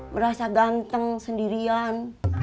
merasa ganteng sendirian